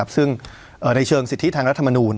ซึ่งในเชิงสิทธิทางรัฐมนูล